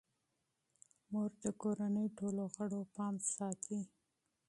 مور د کورنۍ ټولو غړو پام ساتي.